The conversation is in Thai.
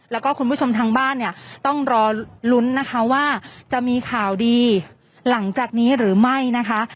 แล้วก็คุณผู้ชมทางบ้านเนี่ยต้องรอลุ้นนะคะว่าจะมีข่าวดีหลังจากนี้หรือไม่นะคะ